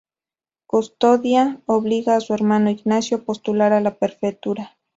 Custodia obliga a su hermano Ignacio a postular a la prefectura.